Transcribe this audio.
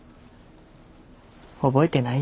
覚えてないや。